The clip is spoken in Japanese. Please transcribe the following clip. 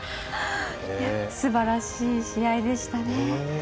すばらしい試合でしたね。